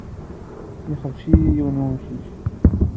Yexbec-iyi yiwen n wemcic.